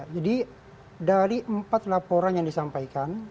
jadi dari empat laporan yang disampaikan